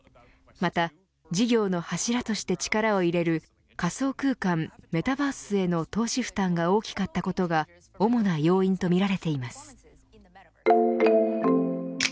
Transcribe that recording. また事業の柱として力を入れる仮想空間メタバースへの投資負担が大きかったことが主な要因とみられています。